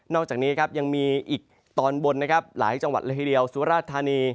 อกจากนี้ครับยังมีอีกตอนบนนะครับหลายจังหวัดละทีเดียวสุราชธานี